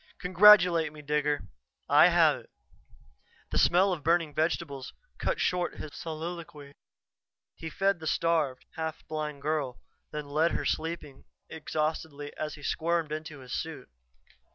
"Congratulate me, Digger! I have it!" The smell of burning vegetables cut short his soliloquy. He fed the starved, half blind girl, then left her sleeping exhaustedly as he squirmed into his suit.